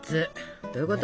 どういうこと？